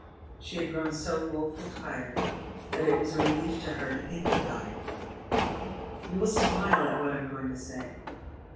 She had grown so woeful tired that it was a re lief to her to think of dying. ... You will smile at what I am going to say.